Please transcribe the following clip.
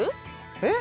えっ？